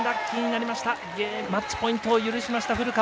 マッチポイントを許した古川。